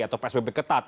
atau psbb ketat